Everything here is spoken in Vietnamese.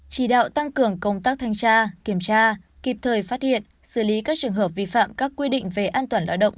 chỉ đạo tăng cường công tác thanh tra kiểm tra kịp thời phát hiện xử lý các trường hợp vi phạm các quy định về an toàn lao động